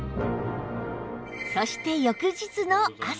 そして翌日の朝